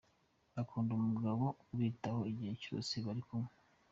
Bakunda umugabo ubitaho igihe cyose bari kumwe.